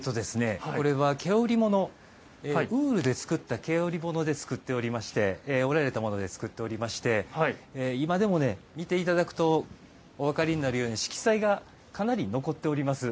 これはウールで作った毛織物で織られたもので作っておりまして今でも見ていただくとお分かりになるようにかなり残っております。